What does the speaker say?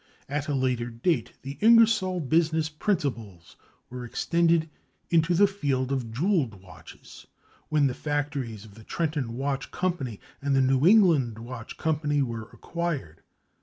At a later date, the Ingersoll business principles were extended into the field of jeweled watches, when the factories of the Trenton Watch Company and the New England Watch Company were acquired.